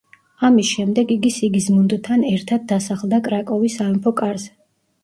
ამის შემდეგ იგი სიგიზმუნდთან ერთად დასახლდა კრაკოვის სამეფო კარზე.